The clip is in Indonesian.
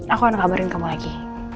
aku akan kabarin kamu lagi